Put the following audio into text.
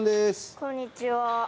こんにちは。